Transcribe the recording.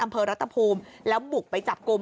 อำเภอรัฐภูมิแล้วบุกไปจับกลุ่ม